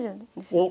おっ。